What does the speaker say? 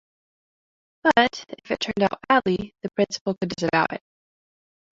But, if it turned out badly, the Principal could disavow it.